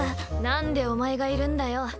なんでお前がいるんだよ。